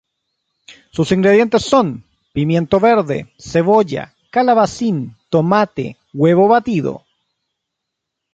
Sus ingredientes son: Pimiento verde, Cebolla, Calabacín, Tomate, Huevo batido.